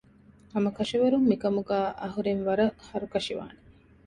ހަމަކަށަވަރުން މިކަމުގައި އަހުރެން ވަރަށް ހަރުކަށިވާނެ